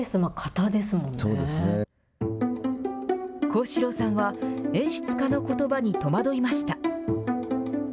幸四郎さんは、演出家のことばに戸惑いました。